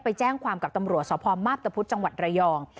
ไปแจ้งความกับตำรวจสพมาพตะพุธจังหวัดระยอง